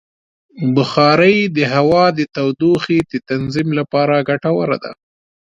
بخاري د هوا د تودوخې د تنظیم لپاره ګټوره ده.